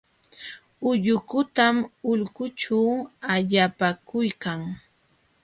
Ullukutam ulqućhu allapakuykan.